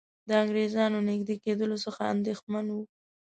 د انګریزانو نیژدې کېدلو څخه اندېښمن وو.